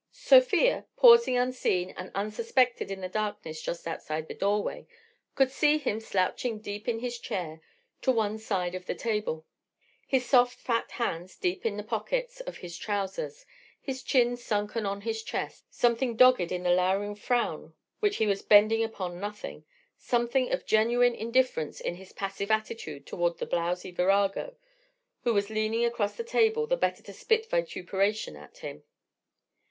Sofia, pausing unseen and unsuspected in the darkness just outside the doorway, could see him slouching deep in his chair, to one side of the table, his soft fat hands deep in the pockets of his trousers, his chin sunken on his chest, something dogged in the louring frown which he was bending upon nothing, something of genuine indifference in his passive attitude toward the blowsy virago who was leaning across the table the better to spit vituperation at him.